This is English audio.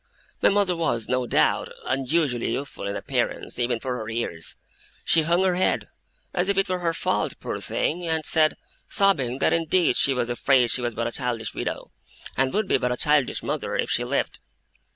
My mother was, no doubt, unusually youthful in appearance even for her years; she hung her head, as if it were her fault, poor thing, and said, sobbing, that indeed she was afraid she was but a childish widow, and would be but a childish mother if she lived.